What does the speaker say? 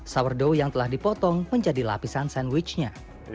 sourdow yang telah dipotong menjadi lapisan sandwichnya